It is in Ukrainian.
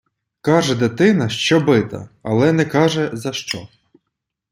Каже дитина, що бита, але не каже, за що.